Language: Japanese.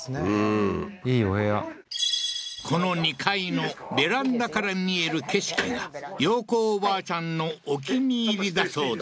この２階のベランダから見える景色が洋子おばあちゃんのお気に入りだそうだ